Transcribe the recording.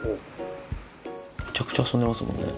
めちゃくちゃ遊んでますもんね。